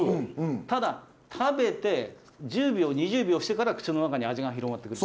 ただ食べて１０秒２０秒してから口の中に味が広がってくる。